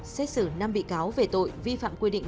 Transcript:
xét xử năm bị cáo về tội vi phạm quy định